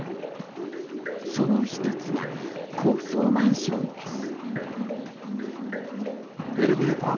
その１つが高層マンションです。